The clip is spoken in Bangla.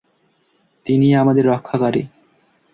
তিনিই আমাদের রক্ষাকারী।